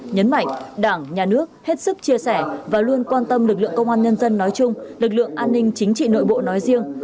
nhấn mạnh đảng nhà nước hết sức chia sẻ và luôn quan tâm lực lượng công an nhân dân nói chung lực lượng an ninh chính trị nội bộ nói riêng